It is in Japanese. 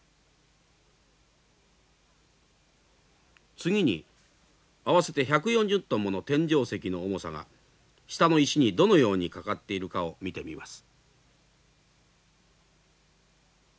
次に合わせて１４０トンもの天井石の重さが下の石にどのようにかかっているかを見てみます。